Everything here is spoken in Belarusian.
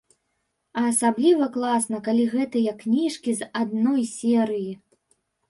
А асабліва класна, калі гэтыя кніжкі з адной серыі.